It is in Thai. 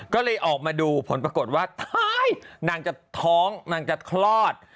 ก็เลยออกมาดูผลปรากฏว่าตายนางจะท้องนางจะคลอด